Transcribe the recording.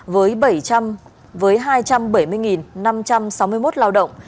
với hai trăm bảy mươi năm trăm sáu mươi một lao động